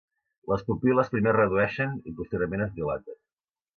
Les pupil·les primer es redueixen i posteriorment es dilaten.